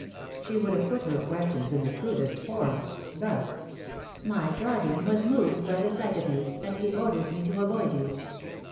She would have put her questions in the crudest form, thus: "My guardian was moved by the sight of you, and he orders me to avoid you.